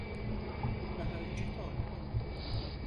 Daha önce de oldu.